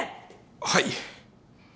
はい。